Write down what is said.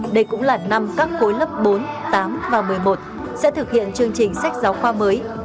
đây cũng là năm các khối lớp bốn tám và một mươi một sẽ thực hiện chương trình sách giáo khoa mới